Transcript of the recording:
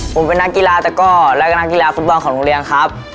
ผมเป็นนักกีฬาตะก้อแล้วก็นักกีฬาฟุตบอลของโรงเรียนครับ